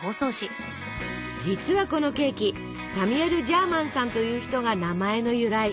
実はこのケーキサミュエル・ジャーマンさんという人が名前の由来。